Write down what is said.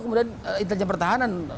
kemudian intelijen pertahanan